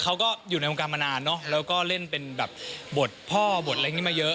เขาก็อยู่ในวงการมานานเนอะแล้วก็เล่นเป็นแบบบทพ่อบทอะไรอย่างนี้มาเยอะ